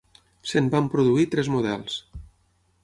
Se'n van produir tres models.